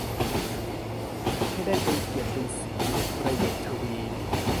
ให้ได้เป็นเกียรติเป็นศรี ประโยชน์ทวี